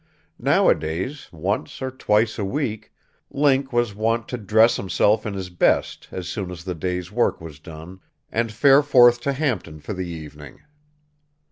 Nowadays, once or twice a week, Link was wont to dress himself in his best as soon as the day's work was done, and fare forth to Hampton for the evening.